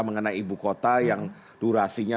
mengenai ibu kota yang durasinya